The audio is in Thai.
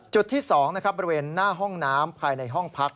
จุดที่๒นะครับบริเวณหน้าห้องน้ำภายในห้องพัก